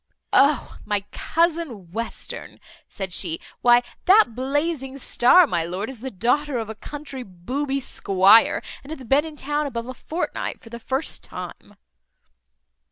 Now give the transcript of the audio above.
"O, my cousin Western!" said she; "why, that blazing star, my lord, is the daughter of a country booby squire, and hath been in town about a fortnight, for the first time."